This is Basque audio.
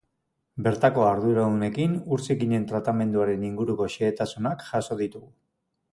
Bertako arduradunekin ur zikinen tratamenduaren inguruko xehetasunak jaso ditugu.